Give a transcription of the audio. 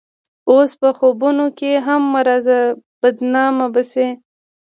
اوس په خوبونو کښې هم مه راځه بدنامه به شې